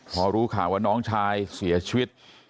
พอรู้ข่าวว่าน้องชายเสียชีวิต